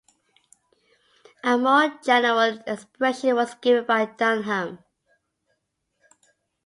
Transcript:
A more general expression was given by Dunham.